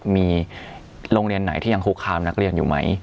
มีโรงเรียนไหนที่ยังคุกคามนักเรียนอยู่ไหม